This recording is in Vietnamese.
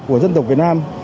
của dân tộc việt nam